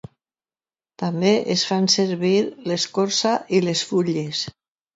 També es fan servir l'escorça i les fulles.